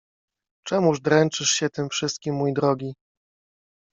— Czemuż dręczysz się tym wszystkim, mój drogi?